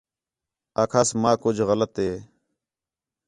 آکھاس ماں کُج غلط ہِے